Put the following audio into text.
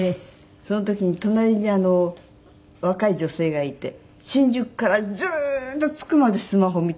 その時に隣に若い女性がいて新宿からずーっと着くまでスマホを見ているんですよね。